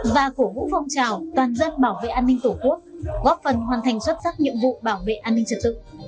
và cổ vũ phong trào toàn dân bảo vệ an ninh tổ quốc góp phần hoàn thành xuất sắc nhiệm vụ bảo vệ an ninh trật tự